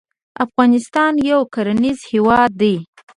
افغانستان يو کرنيز هېواد دی.